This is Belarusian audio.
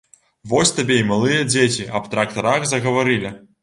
Вось табе і малыя дзеці аб трактарах загаварылі!